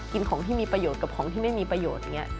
กินของที่มีประโยชน์กับของที่ไม่มีประโยชน์อย่างนี้